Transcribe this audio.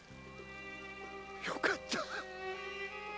よかった！